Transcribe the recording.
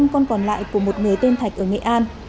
một mươi năm con còn lại của một người tên thạch ở nghệ an